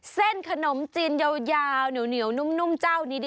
เส้นขนมจีนยาวเหนียวนุ่มเจ้านี้